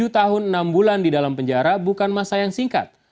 tujuh tahun enam bulan di dalam penjara bukan masa yang singkat